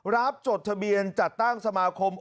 จดทะเบียนจัดตั้งสมาคม